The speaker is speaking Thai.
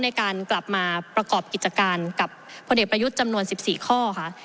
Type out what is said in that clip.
ในการกลับมาประกอบกิจการกับพลเอกประยุทธ์จำนวน๑๔ข้อค่ะ